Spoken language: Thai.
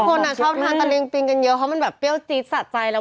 คนชอบทานตะลิงปิงกันเยอะเพราะมันแบบเปรี้ยวจี๊ดสะใจแล้ว